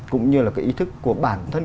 cũng như là cái ý thức của bản thân